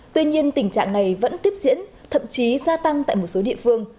tuy nhiên tình trạng này vẫn tiếp diễn thậm chí gia tăng tại một số địa phương